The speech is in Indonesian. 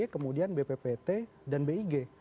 kemudian bppt dan big